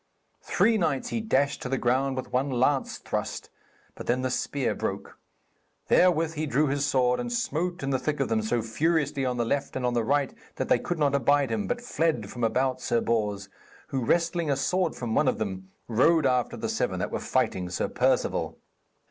Three knights he dashed to the ground with one lance thrust; but then the spear broke. Therewith he drew his sword, and smote in the thick of them so furiously on the left and on the right that they could not abide him, but fled from about Sir Bors, who, wresting a sword from one of them, rode after the seven that were fighting Sir Perceval.